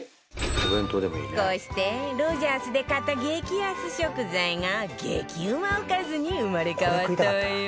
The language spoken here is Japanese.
こうしてロヂャースで買った激安食材が激うまおかずに生まれ変わったわよ